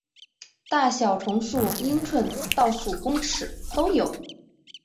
大小从数英寸到数公尺都有。